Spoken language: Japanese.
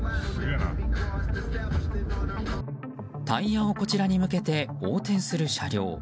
タイヤをこちらに向けて横転する車両。